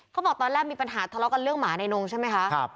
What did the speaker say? เขาบอกตอนแรกมีปัญหาทะเลาะกันเรื่องหมาในนงใช่ไหมคะ